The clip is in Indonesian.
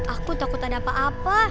aku takut ada apa apa